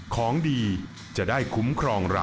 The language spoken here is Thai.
ของดีจะได้คุ้มครองเรา